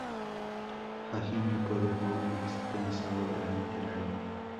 Gagini produjo una extensa obra literaria.